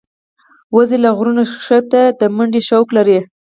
وزې له غرونو ښکته د منډې شوق لري